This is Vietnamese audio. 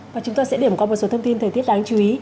và chúng tôi sẽ điểm qua một số thông tin thời tiết đáng chú ý